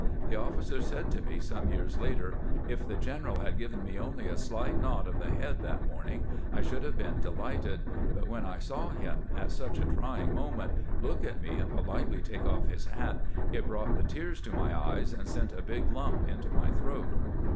The officer said to me some years after :" If the general had given me only a slight nod of the head that morning I should have been delighted; but when I saw him, at such a trying mo ment, look at me and politely take off his hat, it brought the tears to my eyes and sent a big lump into my throat."